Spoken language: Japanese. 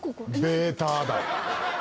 ベーターだ。